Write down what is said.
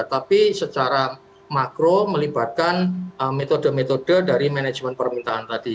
tapi secara makro melibatkan metode metode dari manajemen permintaan tadi